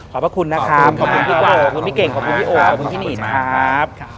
พระคุณนะครับขอบคุณพี่โกขอบคุณพี่เก่งขอบคุณพี่โอขอบคุณพี่นีนะครับ